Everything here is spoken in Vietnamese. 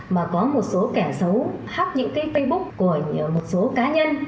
mà có một số kẻ xấu hắc những cái facebook của một số cá nhân